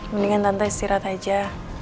mendingan tante istirahat aja